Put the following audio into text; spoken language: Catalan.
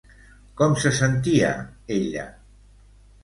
Com se sentia ella?